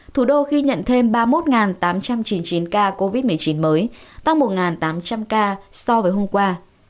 thủ đô ghi nhận thêm ba mươi một tám trăm chín mươi chín ca covid một mươi chín mới tăng một tám trăm linh ca so với hôm qua